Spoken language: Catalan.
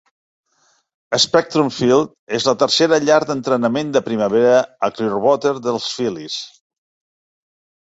Spectrum Field és la tercera llar d'entrenament de primavera a Clearwater dels Phillies.